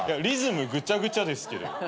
リズムぐちゃぐちゃですけど。